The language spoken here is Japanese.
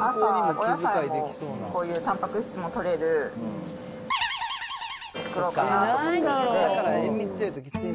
朝、お野菜も、こういうたんぱく質もとれる×××作ろうかなと思っていて。